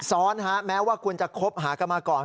ซ้อนแม้ว่าคุณจะคบหากันมาก่อน